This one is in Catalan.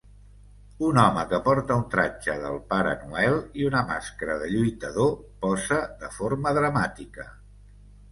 Un home que porta un tratge del Pare Noel i una màscara de lluitador posa de forma dramàtica.